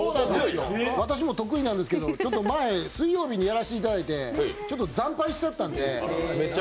私も得意なんですけど前水曜日にやらせていただいてちょっと惨敗しちゃったんで。